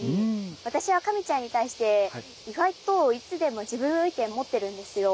私はかみちゃんに対して意外といつでも自分の意見持ってるんですよ。